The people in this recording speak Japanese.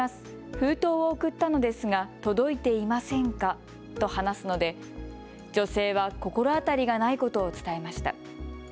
封筒を送ったのですが届いていませんかと話すので女性は心当たりがないことを伝えました。